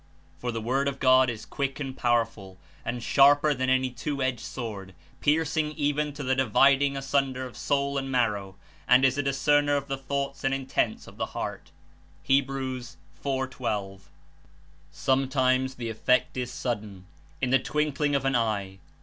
^'For the word of God is quick and powerful, and sharper than any two edged sword, piercing even to the dividing asunder of soul and marrow, and is a discerner of the thoughts and intents of the heart/' (Heb. 4. 12.) Sometimes the effect is sudden, in the twinkling of an eye.